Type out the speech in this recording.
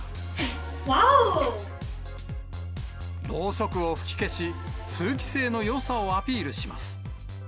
ろうそくを吹き消し、通気性のよさをアピールします。